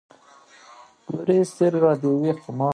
تاریخ د افغانستان د اقلیم ځانګړتیا ده.